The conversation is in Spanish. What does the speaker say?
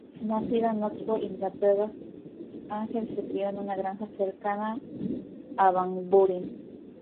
Nacida en Oxford, Inglaterra, Angel se crio en una granja cercana a Banbury.